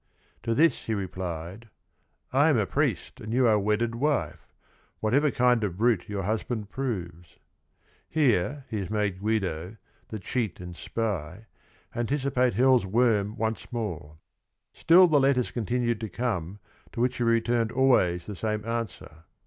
To this he replied : "I am a priest, and you are wedded wife, Whatever kind of brute your husband proves.'' Here, he has made Guido, " the cheat and spy," "anticipate hell's worm once more." Still the letters continued to come to which he returned always the same answer.